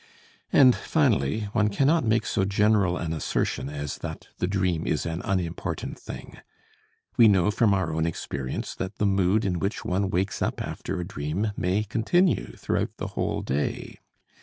And finally, one cannot make so general an assertion as that the dream is an unimportant thing. We know from our own experience that the mood in which one wakes up after a dream may continue throughout the whole day.